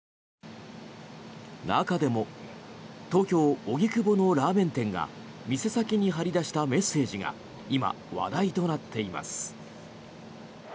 中でも東京・荻窪のラーメン店が店先に貼り出したメッセージが今、話題となっています。